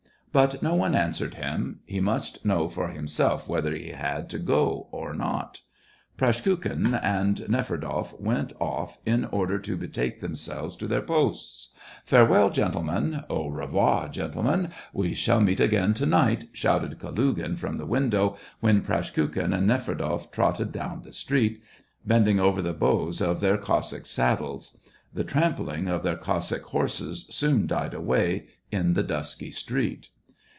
But no one answered him : he must know for himself whether he had to go or not. Praskukhin and Neferdoff went off, in order to betake themselves to their posts. *' Farewell, gentlemen !"" Au revoir, gentlemen ! We shall meet again to night !" shouted Kalugin from the window when Praskukhin and Neferdoff trotted down the street, bending over the bows of their Cossack saddles. The trampling of their Cossack horses soon died away in the dusky street.